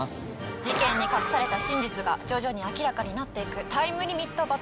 事件に隠された真実が徐々に明らかになっていくタイムリミット